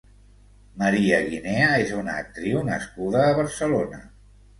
María Guinea és una actriu nascuda a Barcelona.